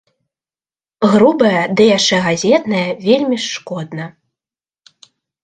Грубая, ды яшчэ газетная, вельмі ж шкодна.